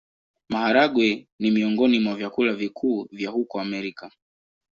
Maharagwe ni miongoni mwa vyakula vikuu vya huko Amerika.